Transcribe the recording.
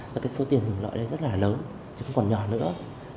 và cái số tiền hưởng lợi đây rất là lớn chứ không còn nhỏ nữa